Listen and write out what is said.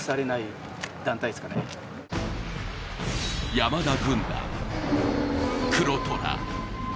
山田軍団、黒虎。